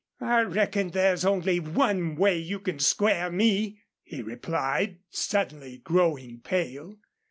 "I reckon there's only one way you can square me," he replied, suddenly growing pale.